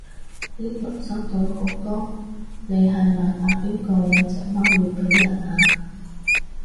呢輪收到好多你係咪阿邊個有隻貓要俾人啊？